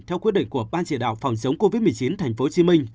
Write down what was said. theo quyết định của ban chỉ đạo phòng chống covid một mươi chín tp hcm